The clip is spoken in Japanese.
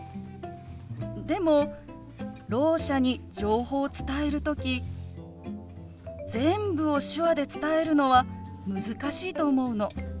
でもろう者に情報を伝える時全部を手話で伝えるのは難しいと思うの。